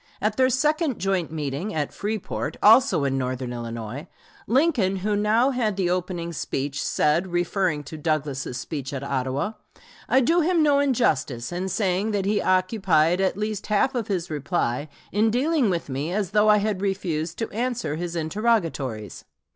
At their second joint meeting, at Freeport, also in northern Illinois, Lincoln, who now had the opening speech, said, referring to Douglas's speech at Ottawa: "I do him no injustice in saying that he occupied at least half of his reply in dealing with me as though I had refused to answer his interrogatories.